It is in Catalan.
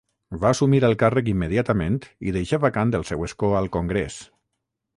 Va assumir el càrrec immediatament i deixà vacant el seu escó al congrés.